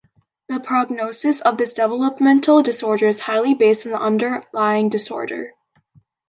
The prognosis of this developmental disorder is highly based on the underlying disorder.